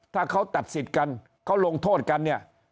ถ้าเขาตัดสิทธิ์กันเขาลงโทษกันเนี่ย